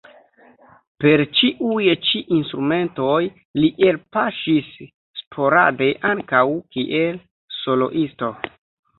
Per ĉiuj ĉi instrumentoj li elpaŝis sporade ankaŭ kiel soloisto.